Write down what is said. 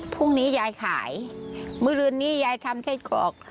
พรุ่งนี้ยายขายมือลืนนี้ยายทำไส้กรอก